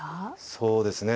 そうですね。